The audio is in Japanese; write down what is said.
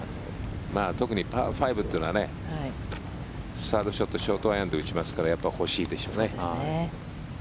特にパー５というのはサードショットをショートアイアンで打ちますからやっぱり欲しいでしょうね。